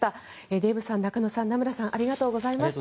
デーブさん、中野さん名村さんありがとうございました。